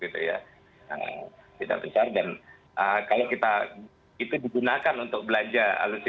tidak besar dan kalau kita itu digunakan untuk belanja alutsista